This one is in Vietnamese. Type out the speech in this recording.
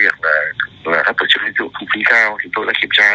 các tổ chức liên tục thu phí cao thì tôi đã kiểm tra rồi